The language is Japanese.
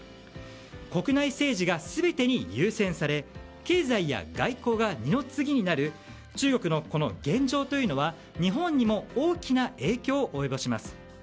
国内政治が全てに優先され経済や外交が二の次になる中国のこの現状というのは日本にも大きな影響を及ぼします。